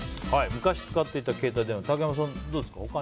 昔使っていた携帯電話竹山さん、どうですか？